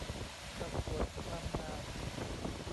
ประกวดความงาม